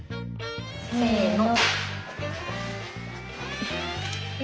せの。